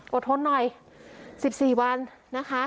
ทนหน่อย๑๔วันนะคะ